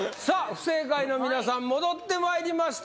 不正解の皆さん戻ってまいりました